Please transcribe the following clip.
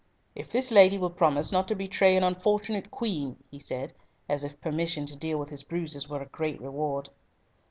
"If this lady will promise not to betray an unfortunate Queen," he said, as if permission to deal with his bruises were a great reward.